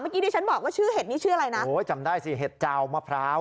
ที่ฉันบอกว่าชื่อเห็ดนี้ชื่ออะไรนะโอ้ยจำได้สิเห็ดเจ้ามะพร้าว